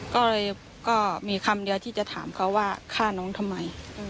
ก็เลยก็มีคำเดียวที่จะถามเขาว่าฆ่าน้องทำไม